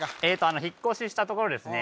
あの引っ越ししたところですね